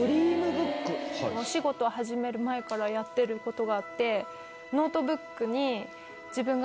お仕事を始める前からやってることがあって。